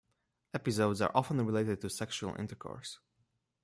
Episodes are often related to sexual intercourse.